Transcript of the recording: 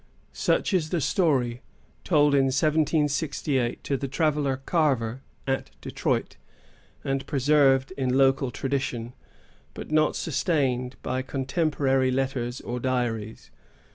Such is the story told in 1768 to the traveller Carver at Detroit, and preserved in local tradition, but not sustained by contemporary letters or diaries.